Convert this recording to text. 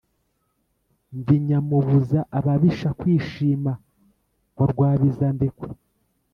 Ndi nyamubuza ababisha kwishima wa Rwabizandekwe